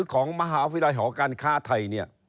ของมหาวิทยาลัยหอการค้าไทยเนี่ย